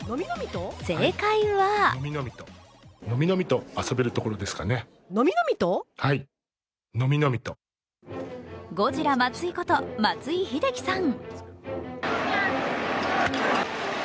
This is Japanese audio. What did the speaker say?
正解はゴジラ松井こと松井秀喜さん。